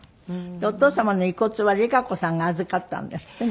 お父様の遺骨はＲＩＫＡＣＯさんが預かったんですって？